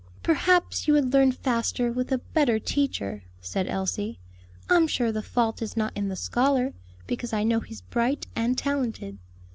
"Perhaps you would learn faster with a better teacher," said Elsie, "I'm sure the fault is not in the scholar; because I know he's bright and talented."